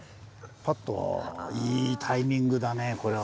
おいいタイミングだねぇこれは。